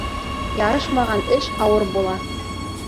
Ярышмаған эш ауыр була.